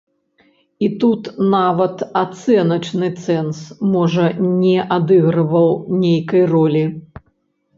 І тут нават ацэначны цэнз, можа, не адыгрываў нейкай ролі.